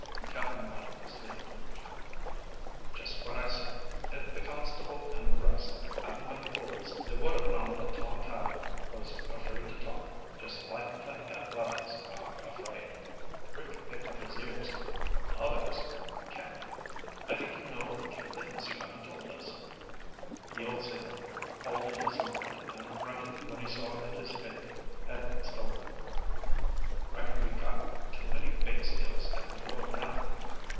Cap'n Mike sniffed. "Just what I said. If the constable and the rest hadn't been fools they would have known that Tom Tyler was afraid to talk. Just like plenty of others are afraid." Rick picked up his ears. "Others? Cap'n, I think you know a few things you haven't told us." The old seaman hauled in his line and grunted when he saw that his bait had been stolen. "Reckon we got too many bait stealers down below now.